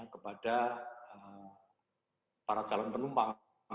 kepada para calon penumpang